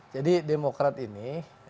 jadi demokrat ini